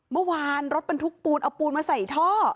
เมื่อวานรถมันทุกปูนเอาปูนมาใส่ท่อ